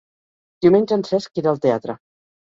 Diumenge en Cesc irà al teatre.